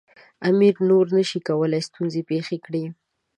امیر نور نه شي کولای ستونزې پېښې کړي.